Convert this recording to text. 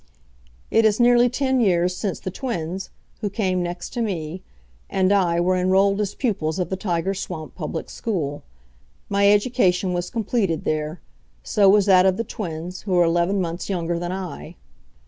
It is nearly ten years since the twins (who came next to me) and I were enrolled as pupils of the Tiger Swamp public school. My education was completed there; so was that of the twins, who are eleven months younger than I.